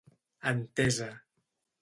Entesa.